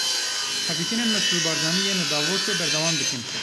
Hevdîtinên Mesrûr Barzanî yên li Davosê berdewam dikin.